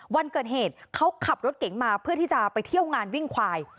วันเกิดเหตุเขาขับรถเก๋งมาเพื่อที่จะไปเที่ยวงานวิ่งควาย